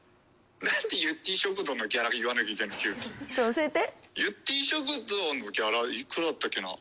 教えて。